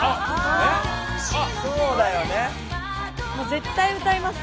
絶対歌います。